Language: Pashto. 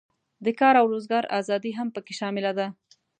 د کار او روزګار آزادي هم پکې شامله ده.